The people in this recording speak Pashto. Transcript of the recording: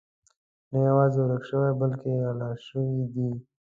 نه یوازې ورک شوي بلکې غلا شوي دي.